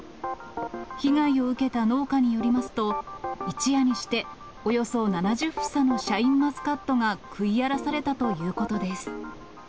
被害を受けた農家によりますと、一夜にしておよそ７０房のシャインマスカットが食い荒らされたということです。